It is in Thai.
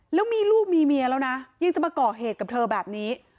แล้วมีลูกมีเมียแล้วนะยังจะมาก่อเหตุกับเธอแบบนี้